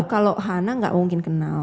oh kalau hana gak mungkin kenal